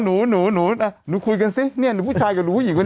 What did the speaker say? หนูหนูหนูคุยกันสิเนี่ยหนูผู้ชายกับหนูผู้หญิงกัน